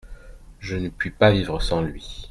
Je ne puis pas vivre sans lui.